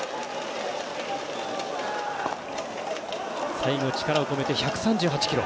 最後、力を込めて１３８キロ。